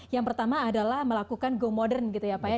yang pertama adalah melakukan go modern gitu ya pak ya